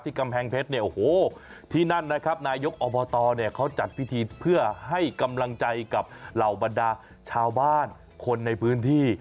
ที่กำแพงเพชรนานนายกอบทเขาจัดพิธีเพื่อให้กำลังใจกับเหล่าบรรดาชาวบ้านคนในพื้นที่